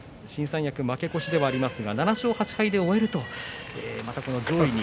新三役負け越しですが７勝８敗で終えるとまた上位に。